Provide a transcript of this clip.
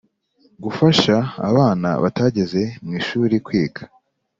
Gufasha abana batageze mu ishuri kwiga